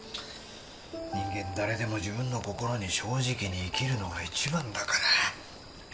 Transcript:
人間誰でも自分の心に正直に生きるのが一番だから。